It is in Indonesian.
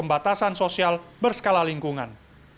batasan sosial berskala lingkungan